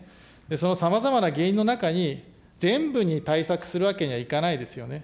そのさまざまな原因の中に、全部に対策するわけにはいかないですよね。